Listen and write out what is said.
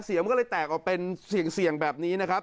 มันก็เลยแตกออกเป็นเสี่ยงแบบนี้นะครับ